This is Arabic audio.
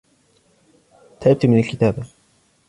تعبت من الكتابة.